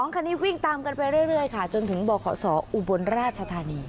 คันนี้วิ่งตามกันไปเรื่อยค่ะจนถึงบขศอุบลราชธานี